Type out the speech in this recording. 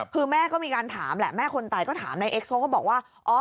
คือแม่ก็มีการถามแหละแม่คนตายก็ถามนายเอ็กโซก็บอกว่า